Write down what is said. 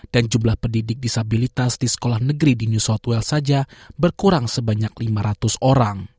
jumlah pendidik disabilitas di sekolah negeri di new southwell saja berkurang sebanyak lima ratus orang